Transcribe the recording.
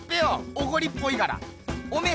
おこりっぽいからおめえ